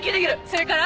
それから？